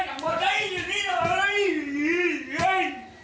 มันอะไรนะมันเหมือนที่นี่